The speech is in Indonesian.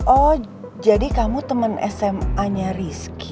oh jadi kamu teman sma nya rizky